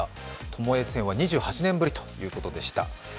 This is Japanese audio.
ともえ戦は２８年ぶりということでした。